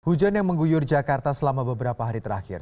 hujan yang mengguyur jakarta selama beberapa hari terakhir